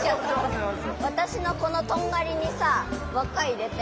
わたしのこのとんがりにさわっかいれて。